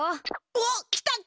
おっきたか！